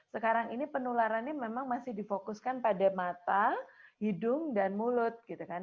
sekarang ini penularannya memang masih difokuskan pada mata hidung dan mulut gitu kan